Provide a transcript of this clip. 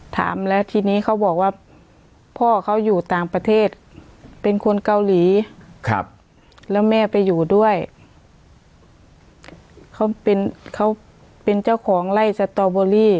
ถามแล้วทีนี้เขาบอกว่าพ่อเขาอยู่ต่างประเทศเป็นคนเกาหลีครับแล้วแม่ไปอยู่ด้วยเขาเป็นเขาเป็นเจ้าของไล่สตอเบอรี่